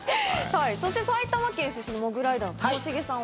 そして埼玉県出身のモグライダーのともしげさんは？